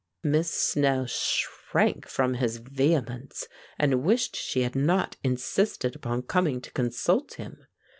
Miss Snell shrank from his vehemence, and wished she had not insisted upon coming to consult him.